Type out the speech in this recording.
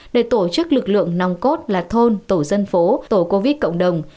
để tổ chức lực lượng nòng cốt là thôn tổ dân phố tổ covid cộng đồng